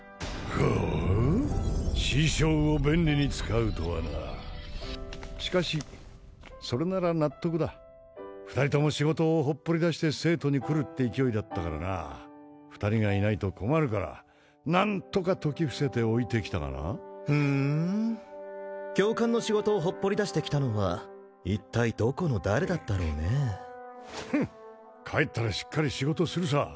ほう師匠を便利に使うとはなしかしそれなら納得だ二人とも仕事をほっぽり出して聖都に来るって勢いだったからな二人がいないと困るから何とか説き伏せて置いてきたがなふん教官の仕事をほっぽり出してきたのは一体どこの誰だったろうねフン帰ったらしっかり仕事するさ